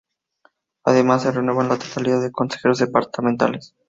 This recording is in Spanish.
Además, se renuevan la totalidad de consejeros departamentales.